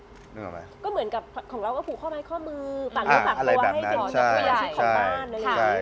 ก็เหมือนกับของเราก็ผูกพ่อแม่ข้อมือปากลูกปากตัวให้เป็นผู้ใหญ่